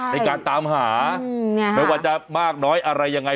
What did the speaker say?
ในการตามหาไม่ว่าจะมากน้อยอะไรยังไง